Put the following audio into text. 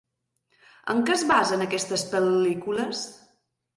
En què es basen aquestes pel·lícules?